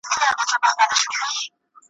په هغه شپه یې د مرګ پر لور روان کړل `